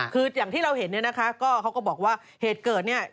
คืออย่างที่เราเห็นเนี่ยนะคะก็เขาก็บอกว่าเหตุเกิดเนี่ย